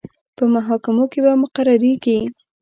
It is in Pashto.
په محاکمو کې به مقرریږي.